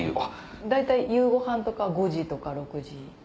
大体夕ごはんとか５時とか６時。